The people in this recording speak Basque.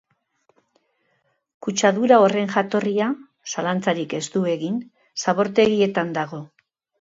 Kutsadura horren jatorria, zalantzarik ez du egin, zabortegietan dago.